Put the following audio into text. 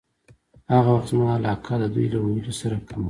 هغه وخت زما علاقه د دوی له ویلو سره کمه شوه.